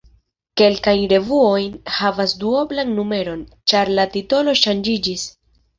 Kelkaj revuoj havas duoblan numeron, ĉar la titolo ŝanĝiĝis.